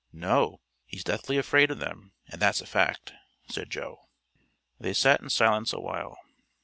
"No; he's deathly afraid of them, and that's a fact," said Joe. They sat in silence a while.